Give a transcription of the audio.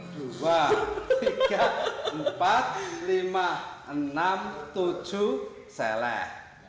dua tiga empat lima enam tujuh seleh